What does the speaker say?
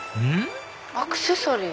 アクセサリー？